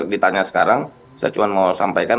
ditanya sekarang saya cuma mau sampaikan